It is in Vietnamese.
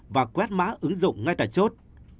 và quét mã ứng dụng ngay tại chốt